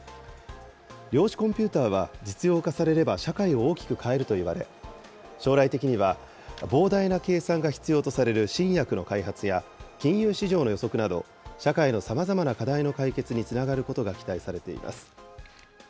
量子コンピューターは実用化されれば社会を大きく変えるといわれ、将来的には、膨大な計算が必要とされる新薬の開発や金融市場の予測など、社会のさまざまな課題の解決につながることが期待されています。